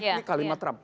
ini kalimat trump